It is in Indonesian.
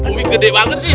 umi gede banget sih berat